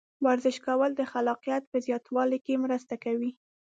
ورزش کول د خلاقیت په زیاتولو کې مرسته کوي.